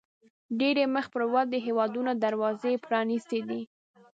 ډېری مخ پر ودې هیوادونو دروازې پرانیستې دي.